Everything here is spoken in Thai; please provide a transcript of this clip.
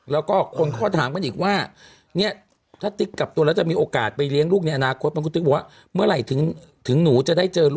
แล้วก็คนเข้าถามกันอีกว่า